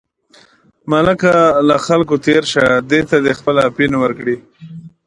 ملکه له خلکو تېر شه، دې ته دې خپل اپین ورکړي.